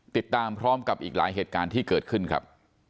ติดตามพร้อมกับอีกหลายเหตุการณ์ที่เกิดขึ้นครับ